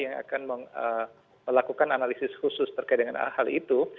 yang akan melakukan analisis khusus terkait dengan hal itu